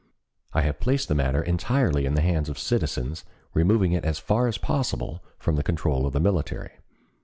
I have placed the matter entirely in the hands of citizens, removing it as far as possible from the control of the military.